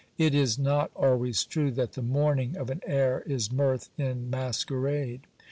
It is not always true, that the mourning of an heir is mirth in masquerade.